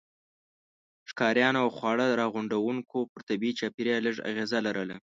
ښکاریانو او خواړه راغونډوونکو پر طبيعي چاپیریال لږ اغېزه لرله.